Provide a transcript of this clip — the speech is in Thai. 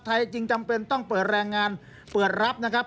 จึงจำเป็นต้องเปิดแรงงานเปิดรับนะครับ